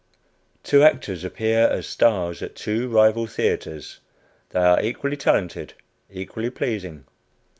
Two actors appear as stars at two rival theatres. They are equally talented, equally pleasing.